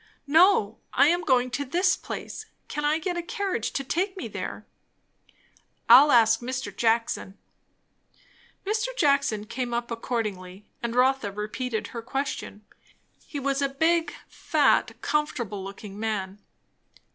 "No. I am going to this place. Can I get a carriage to take me there?" "I'll ask Mr. Jackson." Mr. Jackson came up accordingly, and Rotha repeated her question. He was a big, fat, comfortable looking man.